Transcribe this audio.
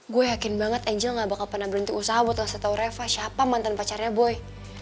gue yakin banget angel gak bakal pernah berhenti usaha buat gak usah tau reva siapa mantan pacarnya boy